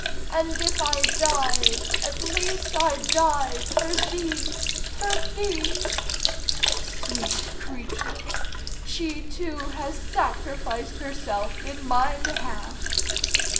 "And if I died, at least I died For thee—for thee." Sweet creature! she too has sacrificed herself in my behalf.